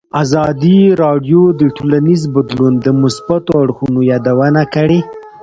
ازادي راډیو د ټولنیز بدلون د مثبتو اړخونو یادونه کړې.